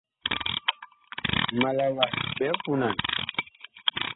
Ma la wa biig punan.